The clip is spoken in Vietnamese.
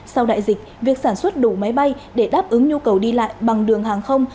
sau đại dịch việc sản xuất đủ máy bay để đáp ứng nhu cầu đi lại bằng đường hàng không